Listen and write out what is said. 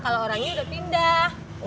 kalo orangnya udah pindah